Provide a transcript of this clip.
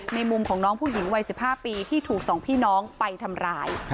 มุมของน้องผู้หญิงวัย๑๕ปีที่ถูกสองพี่น้องไปทำร้าย